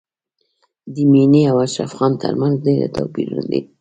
د مينې او اشرف خان تر منځ ډېر توپیرونه دي